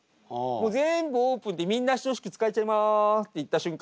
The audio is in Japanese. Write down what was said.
もう全部オープンでみんな等しく使えちゃいますって言った瞬間